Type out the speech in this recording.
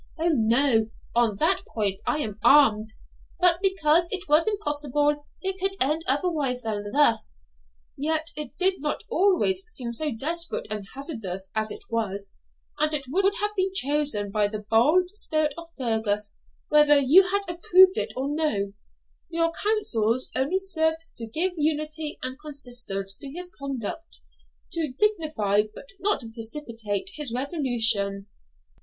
O no! on that point I am armed but because it was impossible it could end otherwise than thus.' 'Yet it did not always seem so desperate and hazardous as it was; and it would have been chosen by the bold spirit of Fergus whether you had approved it or no; your counsels only served to give unity and consistence to his conduct; to dignify, but not to precipitate, his resolution.'